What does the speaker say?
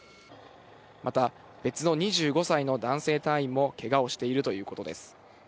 また、別の２５歳の男性隊員もけがをしているということです。